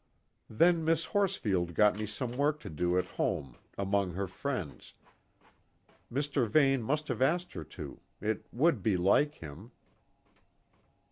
Then Miss Horsfield got me some work to do at home among her friends. Mr. Vane must have asked her to: it would be like him."